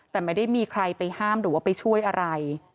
แต่ไม่ได้มีใครไปห้ามหรือว่าไปช่วยอะไร